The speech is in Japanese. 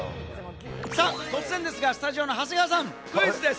さぁ、突然ですがスタジオの長谷川さん、クイズです。